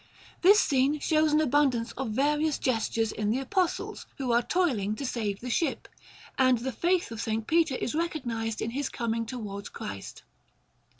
This scene shows an abundance of various gestures in the Apostles, who are toiling to save the ship; and the faith of S. Peter is recognized in his coming towards Christ.